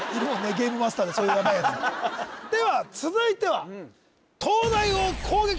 ゲームマスターでそういうヤバいやつでは続いては・きた！